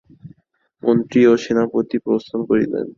মন্ত্রী ও সেনাপতি প্রস্থান করিলেন।